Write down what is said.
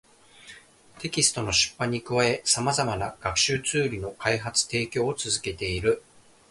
テキストの出版に加え、様々な学習ツールの開発・提供を続けている